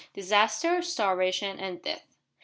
DISASTER, STARVATION, AND DEATH.